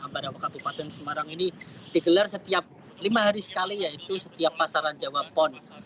ambarawa kabupaten semarang ini digelar setiap lima hari sekali yaitu setiap pasaran jawa pon